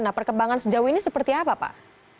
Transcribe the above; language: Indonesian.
nah perkembangan sejauh ini seperti apa pak